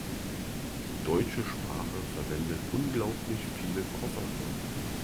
Die deutsche Sprache verwendet unglaublich viele Kofferwörter.